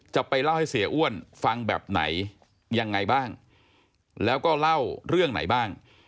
จะไปเล่าให้เสียอ้วนฟังแบบไหนยังไงบ้างแล้วก็เล่าเรื่องไหนบ้าง